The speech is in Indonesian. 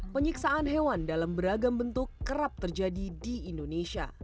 penyiksaan hewan dalam beragam bentuk kerap terjadi di indonesia